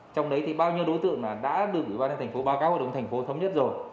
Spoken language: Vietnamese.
trong đấy thì bao nhiêu đối tượng đã được ủy ban thành phố ba k hoặc đồng thành phố thống nhất rồi